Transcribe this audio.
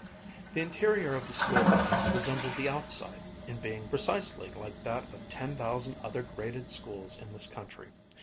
The interior of the school building resembled the outside in being precisely like that of ten thousand other graded schools in this country.